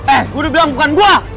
eh gue udah bilang bukan buah